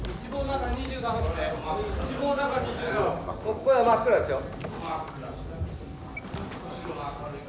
ここから真っ暗ですよ。